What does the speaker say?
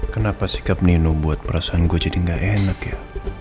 kenapa sikap nino buat perasaan gue jadi gak enak ya